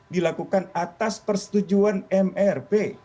dilakukan atas persetujuan mrp